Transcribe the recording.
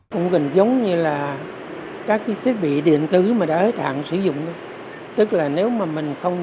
cũng gần giống như là các thiết bị điện tử mà đã hết hạn sử dụng